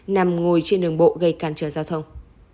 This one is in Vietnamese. nằm ngồi trên đường bộ gây cản trở giao thông